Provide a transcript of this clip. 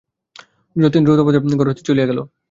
যতীন দ্রুতপদে ঘর হইতে চলিয়া গেল।